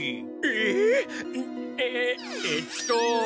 ええっと。